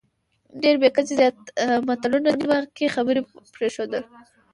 ډېر بې کچې زیات متلونه، نیمه کې خبرې پرېښودل،